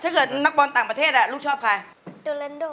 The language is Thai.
ถ้าเกิดนักบอลต่างประเทศลูกชอบใคร